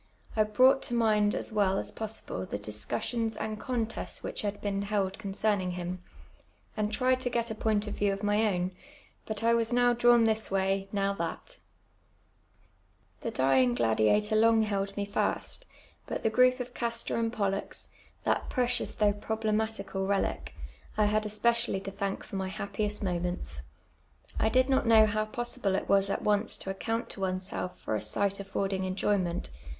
I brought to mind as well as possible the dis cussions and contests which had been held concerning him, and tried to get a point of view of my own ; but I was now dra\m this way, now that. The dying gladiator long held me fast, but the group of Castor and I'oilux, that precious though AKTIQriTIXt AT MANXHEIli. prohleBfttiad relic, I had ( jsf f 'ally to thank for my hapjneat iii'tiiunts. I did not know how inmoMibie it wu8 ut once to af ctiunt to oneself for a ttif^t aifurdmg eajoymtait.